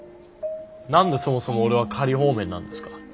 何でそもそも俺は仮放免なんですか？